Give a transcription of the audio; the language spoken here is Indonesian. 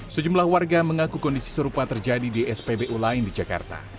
sejumlah warga mengaku kondisi serupa terjadi di spbu lain di jakarta